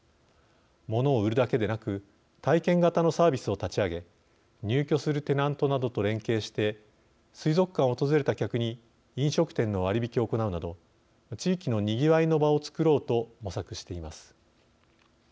物を売るだけでなく体験型のサービスを立ち上げ入居するテナントなどと連携して水族館を訪れた客に飲食店の割引を行うなど地域のにぎわいの場をつくろうと模索しています。